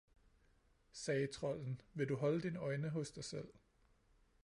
sagde trolden, vil du holde dine øjne hos dig selv!